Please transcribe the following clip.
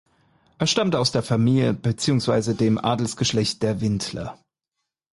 Er stammte aus der Familie beziehungsweise dem Adelsgeschlecht der Vintler.